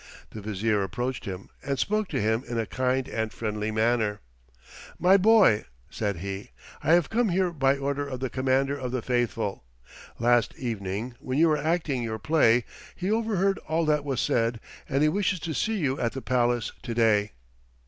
The Vizier approached him and spoke to him in a kind and friendly manner. "My boy," said he, "I have come here by order of the Commander of the Faithful. Last evening, when you were acting your play, he overheard all that was said, and he wishes to see you at the palace to day."